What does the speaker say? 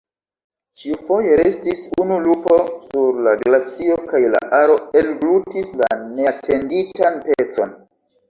Ĉiufoje restis unu lupo sur la glacio kaj la aro englutis la neatenditan pecon.